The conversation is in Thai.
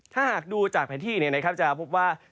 ถ้าหากดูจากแผ่นที่เนี่ยนะครับจะพบว่า